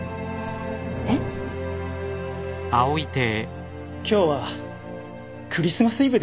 えっ？今日はクリスマスイブです。